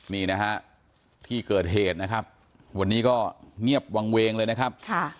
นี่นะฮะที่เกิดเหตุนะครับวันนี้ก็เงียบวางเวงเลยนะครับ